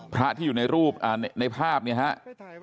พระที่อยู่ในภาพเนี่ยครับ